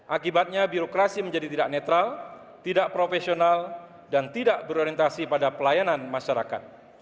akibatnya birokrasi menjadi tidak netral tidak profesional dan tidak berorientasi pada pelayanan masyarakat